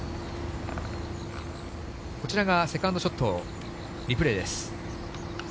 こちらがセカンドショット、リプレーです。